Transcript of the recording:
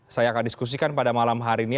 saya akan diskusikan pada malam hari ini